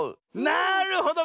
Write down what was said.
なるほど。